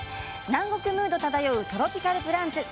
南国ムード漂うトロピカルプランツ